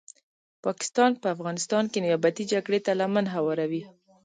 پاکستان په افغانستان کې نیابتې جګړي ته لمن هواروي